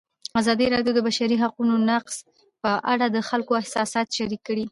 ازادي راډیو د د بشري حقونو نقض په اړه د خلکو احساسات شریک کړي.